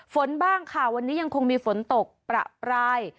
ฝนบ้างค่ะวันนี้ยังคงมีฝนตกประปราย